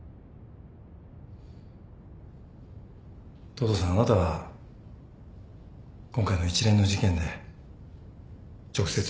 東堂さんあなたは今回の一連の事件で直接手を下してはいない。